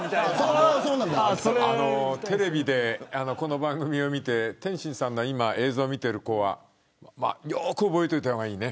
テレビでこの番組を見て天心さんの映像を見ている子はよく覚えておいた方がいいね。